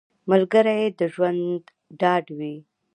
ملګری د ژوند ډاډ وي